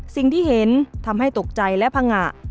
สิ่งที่เห็นทำให้ตกใจและพังงะ